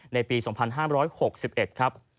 ในปี๒๕๖๑ครับ